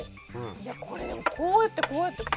いやこれでもこうやってこうやって。